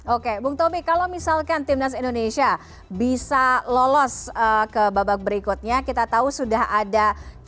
oke bung tommy kalau misalkan timnas indonesia bisa lolos ke babak berikutnya kita tahu sudah ada